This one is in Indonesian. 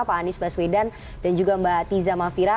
pak anies baswedan dan juga mbak tiza mafira